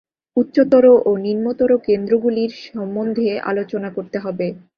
উচ্চতর ও নিম্নতর কেন্দ্রগুলির সম্বন্ধে আলোচনা করতে হবে।